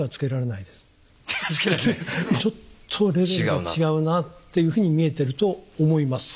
ちょっとレベルが違うなっていうふうに見えてると思います。